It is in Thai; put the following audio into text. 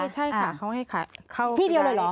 ใช่ค่ะเขาให้ขายที่เดียวเลยเหรอ